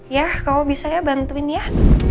yah kalau bisa ya bantuin yah